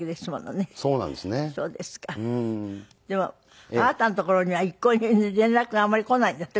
でもあなたのところには一向に連絡があまり来ないんだって？